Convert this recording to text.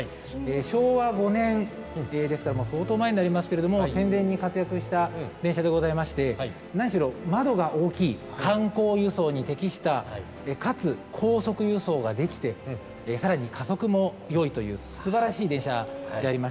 昭和５年ですから相当前になりますけれども戦前に活躍した電車でございまして何しろ窓が大きい観光輸送に適したかつ高速輸送ができて更に加速も良いというすばらしい電車でありました。